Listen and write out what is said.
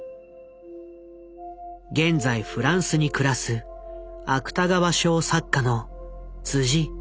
現在フランスに暮らす芥川賞作家の仁成。